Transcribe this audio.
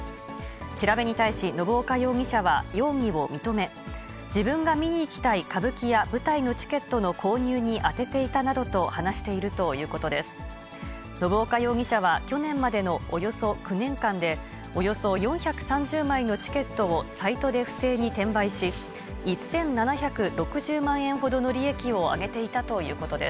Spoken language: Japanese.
調べに対し、信岡容疑者は容疑を認め、自分が見にいきたい歌舞伎や舞台のチケットの購入に充てていたなどと話しているということです。